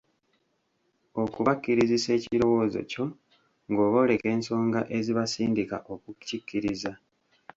Okubakkirizisa ekirowoozo kyo ng'obooleka ensonga ezibasindika okukikkiriza.